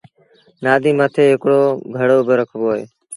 نآديٚ مٿي هڪڙو گھڙو با رکبو اهي۔